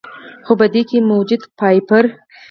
خو پۀ دې کښې موجود فائبر ،